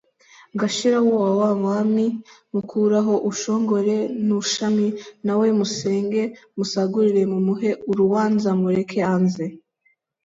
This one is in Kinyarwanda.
Gashirawoa wa mwami Mukuraho uushongore n’uushami Na we musenge musagurire Mumuhe uruanza Mureke anze